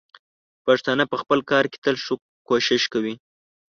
پښتانه په خپل کار کې تل ښه کوښښ کوي.